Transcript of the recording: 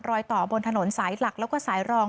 รอยต่อบนถนนสายหลักแล้วก็สายรอง